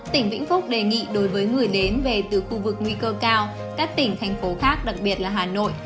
tỉnh vĩnh phúc đề nghị đối với người đến về từ khu vực nguy cơ cao các tỉnh thành phố khác đặc biệt là hà nội